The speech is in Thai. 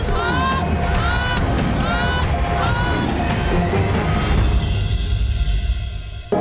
พร้อม